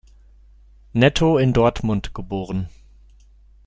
Netto in Dortmund geboren.